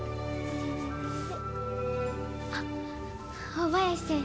大林先生